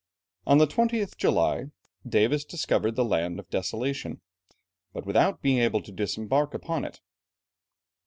On the 20th July, Davis discovered the Land of Desolation, but without being able to disembark upon it.